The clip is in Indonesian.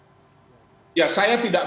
mengharapkan demokrat mau bergabung ya bang eriko